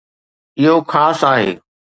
اهو خاص آهي